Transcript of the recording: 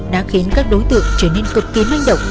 đã khiến các đối tượng trở nên cực kỳ manh động